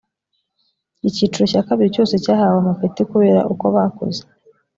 icyiciro cya kabiri cyose cyahawe amapeti kubera uko bakoze